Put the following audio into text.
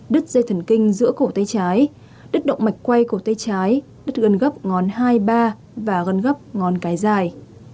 đứt dây thần kinh giữa cổ tay trái đứt động mạch quay cổ tay trái đứt gân gấp ngón hai ba và gân gấp ngón cái dài